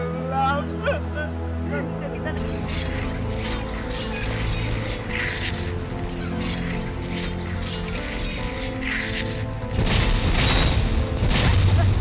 bajanya kesayangan mbak tenggelam